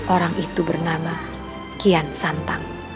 orang itu bernama kian santang